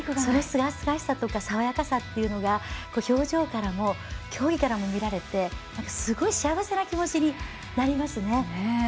すがすがしさとか爽やかさというのが表情からも競技からも見られてすごく幸せな気持ちになりますね。